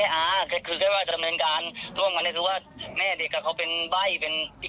แต่ว่าเราก็ยังได้มาสู่กับครอบครัวด้วยอย่างนี้ใช่ไหมพี่